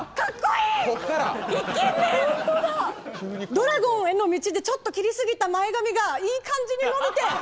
「ドラゴンへの道」でちょっと切りすぎた前髪がいい感じに伸びて。